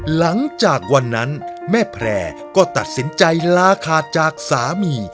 หลังจากวันนั้นแม่แพร่ก็ตัดสินใจลาขาดจากสามี